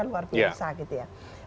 luar biasa gitu ya